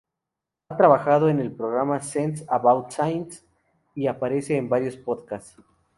Ha trabajado en el programa Sense about Science y aparece en varios podcasts.